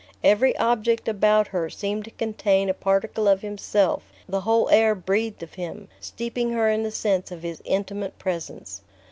Every object about her seemed to contain a particle of himself: the whole air breathed of him, steeping her in the sense of his intimate presence.